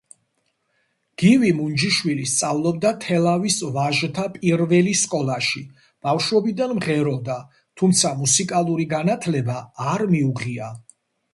გივი მუნჯიშვილი სწავლობდა თელავის ვაჟთა პირველი სკოლაში, ბავშვობიდან მღეროდა, თუმცა მუსიკალური განათლება არ მიუღია.